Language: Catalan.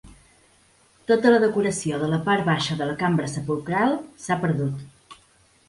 Tota la decoració de la part baixa de la cambra sepulcral s'ha perdut.